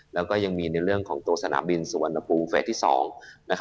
แล้วก็ยังมีในเรื่องของตัวสนามบินสุวรรณภูมิเฟสที่๒